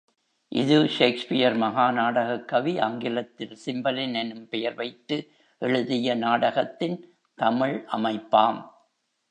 இது ஷேக்ஸ்பியர் மகா நாடகக் கவி ஆங்கிலத்தில் சிம்பலின் எனும் பெயர் வைத்து எழுதிய நாடகத்தின் தமிழ் அமைப்பாம்.